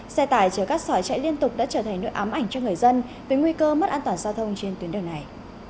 xe tải chở cát sỏi chạy liên tục đã trở thành nỗi ám ảnh cho người dân về nguy cơ mất an toàn giao thông trên tuyến đường này